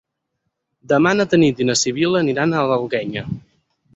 Demà na Tanit i na Sibil·la aniran a l'Alguenya.